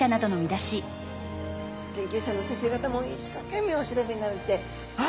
研究者の先生方も一生懸命お調べになられてあ！